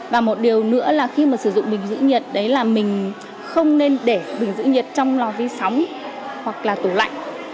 và một điều nữa là khi mà sử dụng bình giữ nhiệt đấy là mình không nên để bình giữ nhiệt trong lò vi sóng hoặc là tủ lạnh